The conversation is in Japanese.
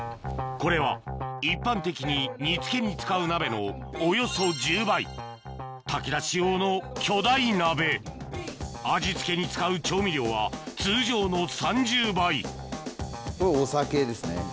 これは一般的に煮付けに使う鍋のおよそ１０倍炊き出し用の巨大鍋味付けに使う調味料は通常の３０倍これお酒ですね。